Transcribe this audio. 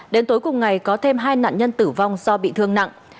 đến tối cùng ngày có thêm hai nạn nhân tử vong do bị thương nặng